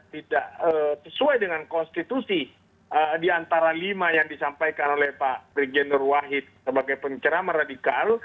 tidak sesuai dengan konstitusi diantara lima yang disampaikan oleh pak brigjen nur wahid sebagai pencerama radikal